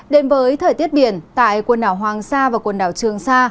đến với thời tiết biển tại quần đảo hoàng sa và quần đảo trường sa